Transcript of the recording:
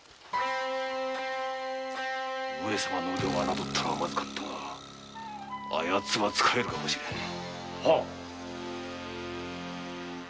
上様の腕を侮ったのはまずかったがヤツは使えるかもしれん。